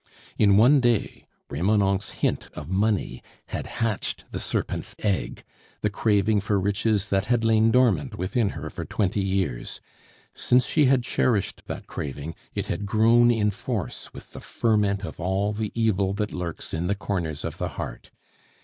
In one day, Remonencq's hint of money had hatched the serpent's egg, the craving for riches that had lain dormant within her for twenty years. Since she had cherished that craving, it had grown in force with the ferment of all the evil that lurks in the corners of the heart.